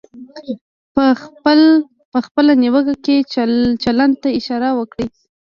په خپله نیوکه کې چلند ته اشاره وکړئ.